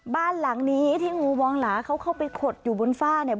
บ้านหลังนี้ที่งูวองหลาเขาเข้าไปขดอยู่บนฝ้าเนี่ย